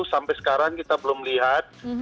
sampai sekarang kita belum lihat